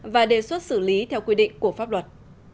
và đề xuất xử lý theo quy định của pháp luật